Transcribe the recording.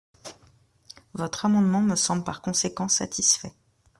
» Votre amendement me semble par conséquent satisfait.